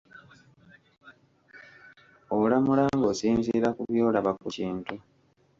Olamula ng'osinziira ku by'olaba ku kintu.